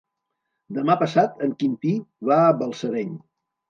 Demà passat en Quintí va a Balsareny.